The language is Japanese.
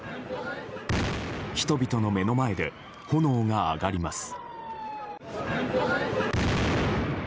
人々の目の前で炎が上がります。